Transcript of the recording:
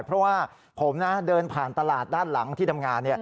เพราะว่าผมเดินผ่านตลาดด้านหลังที่ทำงาน